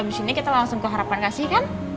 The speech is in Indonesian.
abis ini kita langsung ke harapan kasih kan